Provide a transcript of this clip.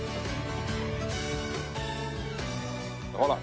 ほら。